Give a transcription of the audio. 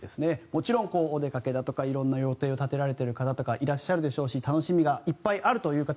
もちろんお出かけだとか色んな予定を立てられてる方はいらっしゃるでしょうし楽しみがいっぱいあるという方